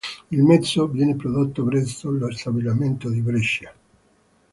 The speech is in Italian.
Il mezzo viene prodotto presso lo stabilimento di Brescia.